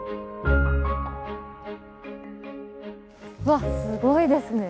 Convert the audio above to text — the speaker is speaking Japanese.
わっすごいですね。